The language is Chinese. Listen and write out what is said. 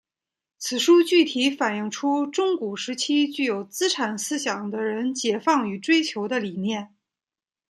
此书具体反映出中古时期具有资产思想的人解放与追求的理念。